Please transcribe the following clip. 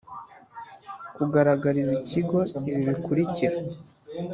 kugaragariza Ikigo ibi bikurikira